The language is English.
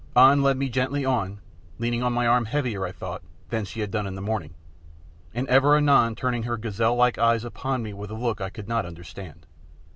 An led me gently on, leaning on my arm heavier, I thought, than she had done in the morning, and ever and anon turning her gazelle like eyes upon me with a look I could not understand.